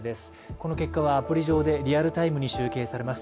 この結果はアプリ上でリアルタイムに集計されます。